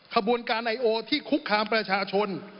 ขบวนการไอโอที่คุกคามประชาชน